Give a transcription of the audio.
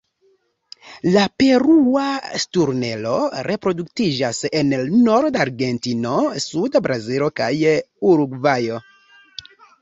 La Perua sturnelo reproduktiĝas en norda Argentino, suda Brazilo, kaj Urugvajo.